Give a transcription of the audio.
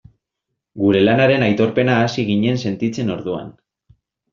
Gure lanaren aitorpena hasi ginen sentitzen orduan.